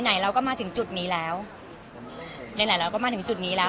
ไหนเราก็มาถึงจุดนี้แล้วหลายหลายเราก็มาถึงจุดนี้แล้ว